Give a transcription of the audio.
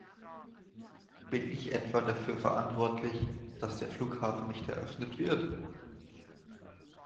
Bin ich etwa dafür verantwortlich, dass der Flughafen nicht eröffnet wird?